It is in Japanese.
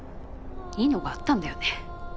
いいのがあったんだよね。